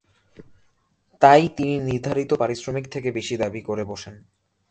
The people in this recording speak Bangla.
তাই তিনি নির্ধারিত পারিশ্রমিক থেকে বেশি দাবি করে বসেন।